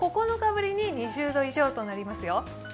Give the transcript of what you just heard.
９日ぶりに２０度以上となりますよ。